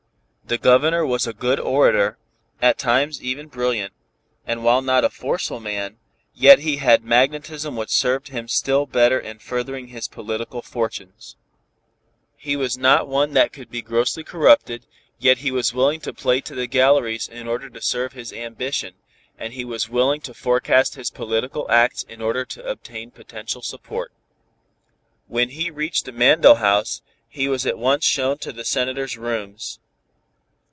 The Governor was a good orator, at times even brilliant, and while not a forceful man, yet he had magnetism which served him still better in furthering his political fortunes. He was not one that could be grossly corrupted, yet he was willing to play to the galleries in order to serve his ambition, and he was willing to forecast his political acts in order to obtain potential support. When he reached the Mandell House, he was at once shown to the Senator's rooms.